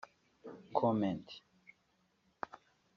Comment